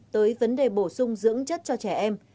tới vấn đề bổ sung dưỡng chất cho trẻ em